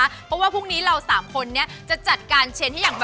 เพราะว่าพรุ่งนี้เราสามคนเนี่ย